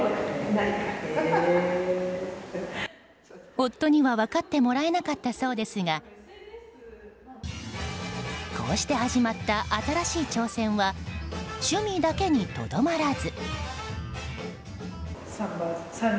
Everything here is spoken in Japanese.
夫には分かってもらえなかったそうですがこうして始まった新しい挑戦は趣味だけにとどまらず。